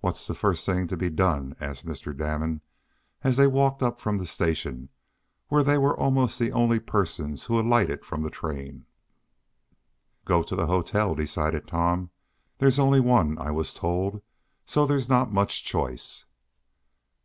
"What's the first thing to be done?" asked Mr. Damon as they walked up from the station, where they were almost the only persons who alighted from the train. "Go to the hotel," decided Tom. "There's only one, I was told, so there's not much choice."